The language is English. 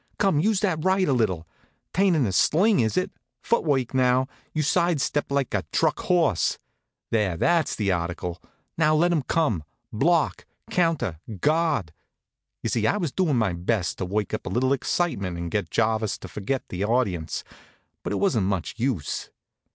Come, use that right a little. 'Tain't in a sling, is it? Foot work, now. You side step like a truck horse. There, that's the article. Now let 'em come block, counter, guard!" You see, I was doin' my best to work up a little excitement and get Jarvis to forget the audience; but it wasn't much use.